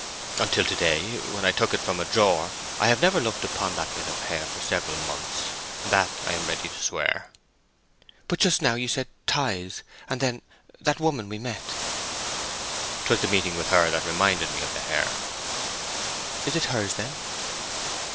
"Until to day, when I took it from a drawer, I have never looked upon that bit of hair for several months—that I am ready to swear." "But just now you said 'ties'; and then—that woman we met?" "'Twas the meeting with her that reminded me of the hair." "Is it hers, then?"